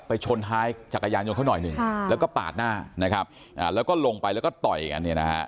ไปชนท้ายจักรยานยนต์เขาหน่อยหนึ่งแล้วก็ปาดหน้าแล้วก็ลงไปแล้วก็ต่อยกัน